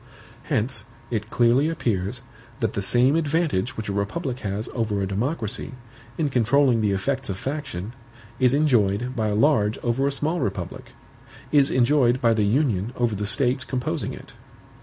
Hence, it clearly appears, that the same advantage which a republic has over a democracy, in controlling the effects of faction, is enjoyed by a large over a small republic, is enjoyed by the Union over the States composing it.